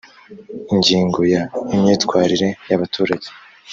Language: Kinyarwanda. ingingo ya imyitwarire y abaturage